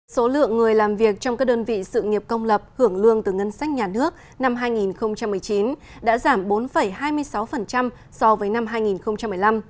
số lượng người làm việc trong các đơn vị sự nghiệp công lập hưởng lương từ ngân sách nhà nước năm hai nghìn một mươi chín đã giảm bốn hai mươi sáu so với năm hai nghìn một mươi năm